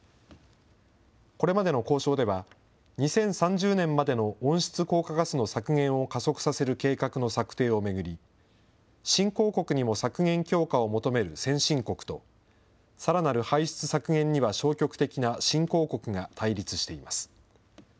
これまでの交渉では、２０３０年までの温室効果ガスの削減を加速させる計画の策定を巡り、新興国にも削減強化を求める先進国と、さらなる排出削減には消極的な新興国が対立しています。